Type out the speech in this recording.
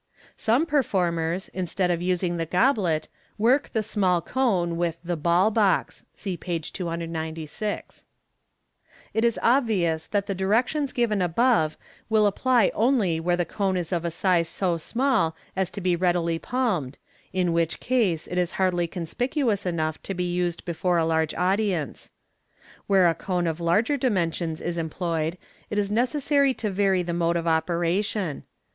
Some performers, instead of using the goblet, work the small cone with the " ball box " (see page 296). It is obvious that the directions above given will apply only where the cone is of a size so small as to be readily palmed, in which case it is hardly conspicuous enough to be used before a large audience. Where a cone of larger dimensions is employed, it is necessary to vary the mode of operation.